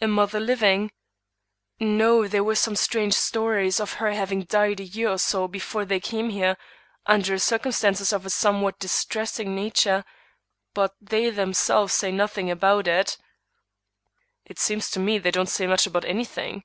"A mother living?" "No; there were some strange stories of her having died a year or so before they came here, under circumstances of a somewhat distressing nature, but they themselves say nothing about it." "It seems to me they don't say much about any thing."